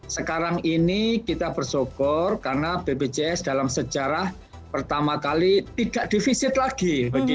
sekarang ini kita bersyukur karena bpjs dalam sejarah pertama kali tidak divisit lagi